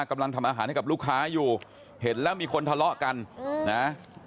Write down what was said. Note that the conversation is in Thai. กำลังทำอาหารให้กับลูกค้าอยู่เห็นแล้วมีคนทะเลาะกันนะ